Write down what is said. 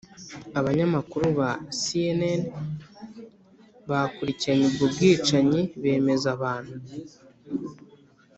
abanyamakuru ba cnn bakurikiranye ubwo bwicanyi bemeza abantu